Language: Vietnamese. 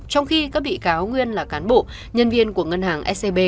trong khi các bị cáo nguyên là cán bộ nhân viên của ngân hàng scb